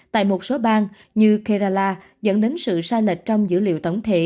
tại một số bang như karala dẫn đến sự sai lệch trong dữ liệu tổng thể